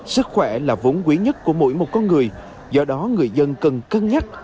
sức khỏe là vốn quý nhất của mỗi một con người do đó người dân cần cân nhắc